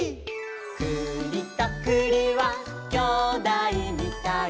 「くりとくりはきょうだいみたい」